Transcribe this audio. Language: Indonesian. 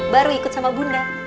baru ikut sama bunda